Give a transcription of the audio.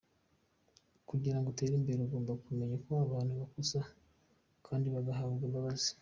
Kugirango utere imbere ugomba kumenya ko abantu bakosa kandi bagahabwa imbabazi.